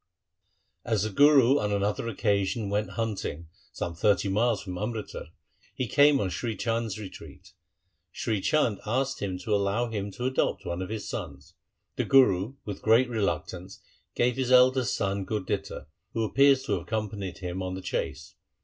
As the Guru on another occasion went hunting some thirty miles from Amritsar, he came on Sri Chand's retreat. Sri Chand asked him to allow him to adopt one of his sons. The Guru with great reluctance gave his eldest son Gurditta, who appears to have accompanied him to the chase.